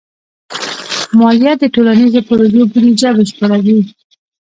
مالیه د ټولنیزو پروژو بودیجه بشپړوي.